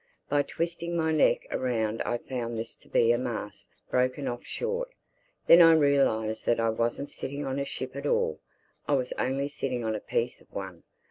By twisting my neck around I found this to be a mast, broken off short. Then I realized that I wasn't sitting on a ship at all; I was only sitting on a piece of one.